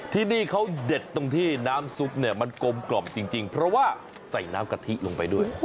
ที่นี่เขาเด็ดตรงที่น้ำซุปเนี่ยมันกลมกล่อมจริงเพราะว่าใส่น้ำกะทิลงไปด้วย